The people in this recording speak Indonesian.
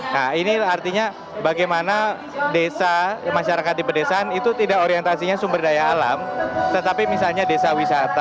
nah ini artinya bagaimana desa masyarakat di pedesaan itu tidak orientasinya sumber daya alam tetapi misalnya desa wisata